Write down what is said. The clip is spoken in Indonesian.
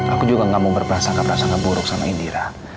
aku juga gak mau berperasaan perasaan buruk sama indira